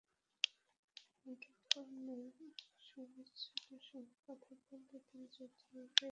মুঠোফোনে সামছুলের সঙ্গে কথা বললে তিনি যৌথভাবে ইটভাটা নির্মাণের কথা স্বীকার করেন।